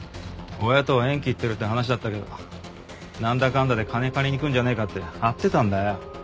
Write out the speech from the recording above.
親とは縁切ってるって話だったけどなんだかんだで金借りに来るんじゃねえかって張ってたんだよ。